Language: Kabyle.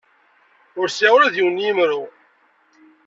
Ur sɛiɣ ula d yiwen n yemru.